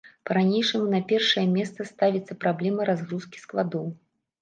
Па-ранейшаму на першае месца ставіцца праблема разгрузкі складоў.